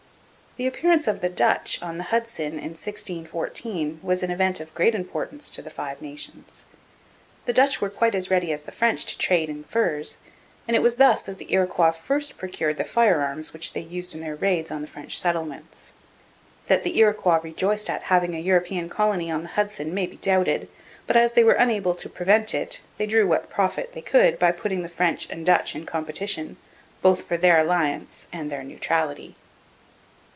The appearance of the Dutch on the Hudson in 1614 was an event of great importance to the Five Nations. The Dutch were quite as ready as the French to trade in furs, and it was thus that the Iroquois first procured the firearms which they used in their raids on the French settlements. That the Iroquois rejoiced at having a European colony on the Hudson may be doubted, but as they were unable to prevent it, they drew what profit they could by putting the French and Dutch in competition, both for their alliance and their neutrality.